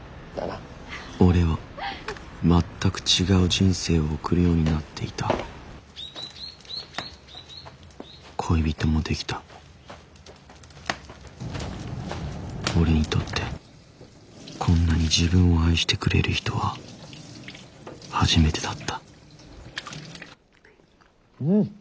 俺は全く違う人生を送るようになっていた恋人も出来た俺にとってこんなに自分を愛してくれる人は初めてだったうん！